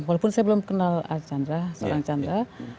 walaupun saya belum kenal arkanra